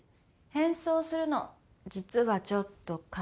変装するの実はちょっと快感。